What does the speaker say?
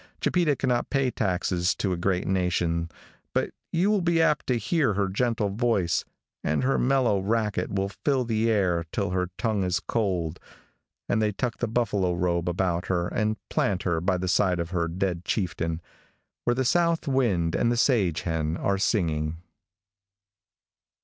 Chipeta cannot pay taxes to a great nation, but you will be apt to hear her gentle voice, and her mellow racket will fill the air till her tongue is cold, and they tuck the buffalo robe about her and plant her by the side of her dead chieftain, where the south wind and the sage hen are singing.